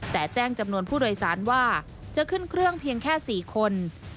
แต่แจ้งจำนวนผู้โดยสารว่าจะขึ้นเครื่องเพียงแค่๔คน